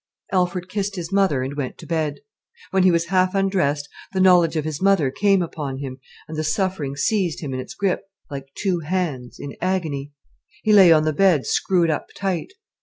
Alfred kissed his mother and went to bed. When he was half undressed the knowledge of his mother came upon him, and the suffering seized him in its grip like two hands, in agony. He lay on the bed screwed up tight.